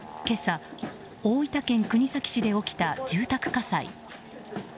今朝、大分県国東市で起きた住宅火災。